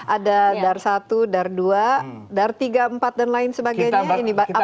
ada dar satu dar dua dar tiga empat dan lain sebagainya